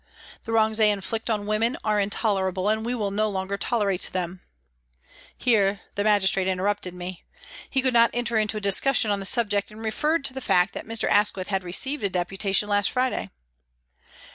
The wrongs they inflict on women are intolerable, and we will no longer tolerate them Here the magistrate interrupted me ; he could not enter into a discussion on the subject, and referred to the fact that Mr. Asquith had received a deputation last Friday.